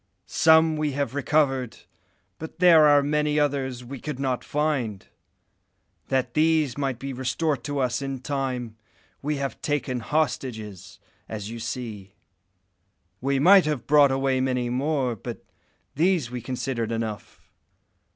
Some we have recovered, but there are many others we could not find. That these might be restored to us in time, we have taken hostages, as you see. We might have brought away many more, but these we considered enough.